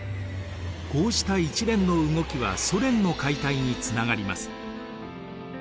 こうした一連の動きはソ連の解体につながります。